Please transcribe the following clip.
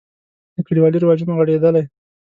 له کلیوالي رواجونو غړېدلی.